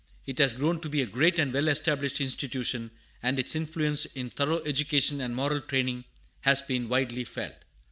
It has grown to be a great and well established institution, and its influence in thorough education and moral training has been widely felt.